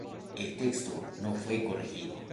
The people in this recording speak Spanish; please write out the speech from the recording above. El texto no fue corregido.